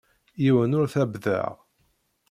Yiwen ur t-ɛebbdeɣ.